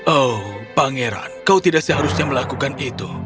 oh pangeran kau tidak seharusnya melakukan itu